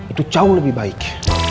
itu jauh lebih baik